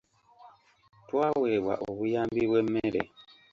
Twaweebwa obuyambi bw'emmere.